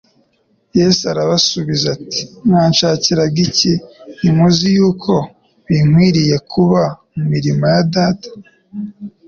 Yesu arabasubiza ati '' Mwanshakiraga iki ? Ntimuzi yuko binkwiriye kuba mu murimo wa Data ?'